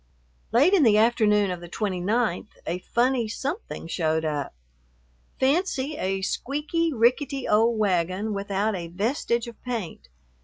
Late in the afternoon of the 29th a funny something showed up. Fancy a squeaky, rickety old wagon without a vestige of paint.